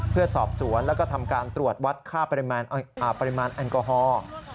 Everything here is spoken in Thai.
เพื่อสอบสวนแล้วก็ทำการตรวจวัดค่าปริมาณแอลกอฮอล์